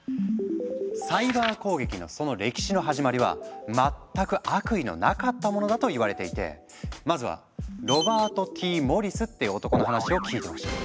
サイバー攻撃のその歴史の始まりは全く悪意のなかったものだといわれていてまずはロバート・Ｔ・モリスって男の話を聞いてほしい。